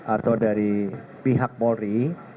atau dari pihak polri